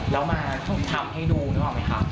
แล้วมาทำให้ดูนึกออกไหมคะ